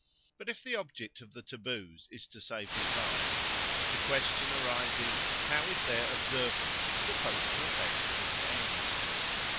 But if the object of the taboos is to save his life, the question arises, How is their observance supposed to effect this end?